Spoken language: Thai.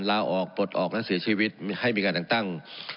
ลาออกปลดออกและเสียชีวิตให้มีการแต่งตั้ง